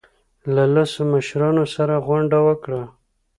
له لسو مشرانو سره غونډه وکړه.